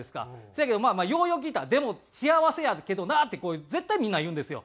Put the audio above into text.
せやけどまあようよう聞いたら「でも幸せやけどな」って絶対みんな言うんですよ。